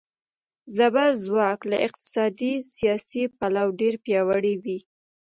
زبرځواک له اقتصادي، سیاسي پلوه ډېر پیاوړي وي.